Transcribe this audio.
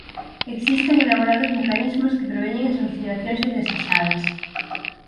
Existen elaborados mecanismos que preveñen as oxidacións indesexadas.